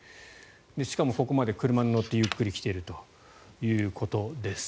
しかもここまで車に乗ってゆっくり来ているということです。